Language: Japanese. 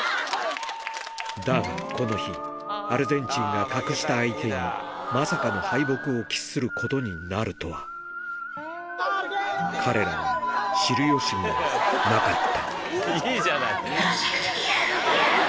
だがこの日、アルゼンチンが格下相手に、まさかの敗北を喫することになるとは、彼らは知るよしもなかった。